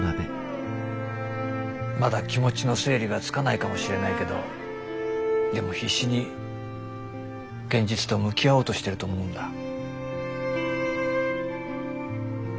まだ気持ちの整理がつかないかもしれないけどでも必死に現実と向き合おうとしてると思うんだ。